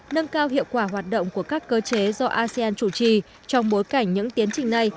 nâng cao hiệu quả hoạt động của các cơ chế do asean chủ trì trong bối cảnh những tiến trình này